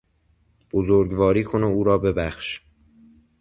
بزرگواری کن و او را ببخش!